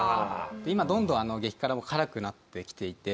今どんどん激辛も辛くなってきていて。